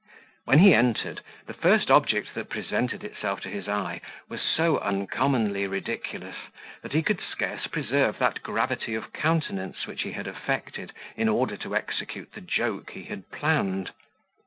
When he entered, the first object that presented itself to his eye was so uncommonly ridiculous, that he could scarce preserve that gravity of countenance which he had affected in order to execute the joke he had planned.